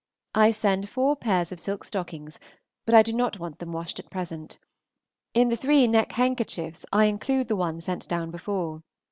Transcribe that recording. I send four pair of silk stockings, but I do not want them washed at present. In the three neckhandkerchiefs I include the one sent down before.